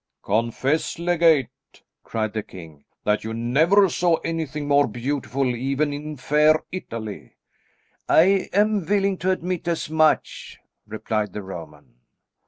"Confess, legate," cried the king, "that you never saw anything more beautiful even in fair Italy." "I am willing to admit as much," replied the Roman.